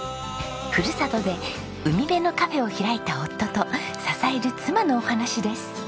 ふるさとで海辺のカフェを開いた夫と支える妻のお話です。